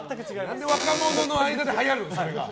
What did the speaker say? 何で若者の間ではやるのよ、それが。